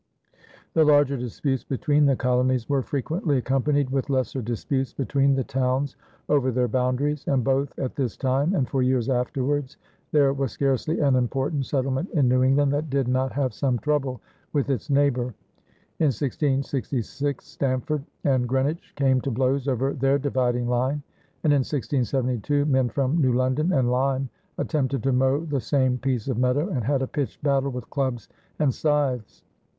The larger disputes between the colonies were frequently accompanied with lesser disputes between the towns over their boundaries; and both at this time and for years afterwards there was scarcely an important settlement in New England that did not have some trouble with its neighbor. In 1666 Stamford and Greenwich came to blows over their dividing line, and in 1672 men from New London and Lyme attempted to mow the same piece of meadow and had a pitched battle with clubs and scythes.